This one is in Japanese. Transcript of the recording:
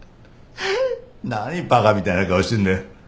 何バカみたいな顔してんだよ。